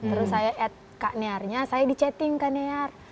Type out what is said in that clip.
terus saya at kak nearnya saya di chatting kak near